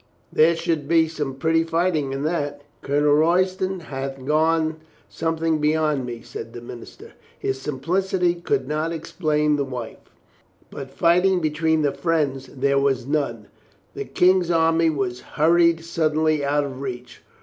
There should be some pretty fighting in that." "Colonel Royston hath gone something beyond me," said the minister. His simplicity could not explain the wife. But fighting between the friends there was none. The King's army was hurried suddenly out of reach.